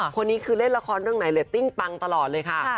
คนนี้คือเล่นละครเรื่องไหนเรตติ้งปังตลอดเลยค่ะ